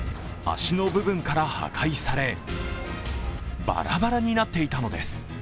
脚の部分から破壊され、バラバラになっていたのです。